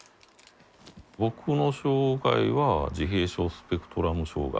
ぼくの障害は自閉症スペクトラム障害。